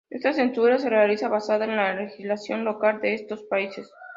Esta censura se realiza basada en la legislación local de esos países.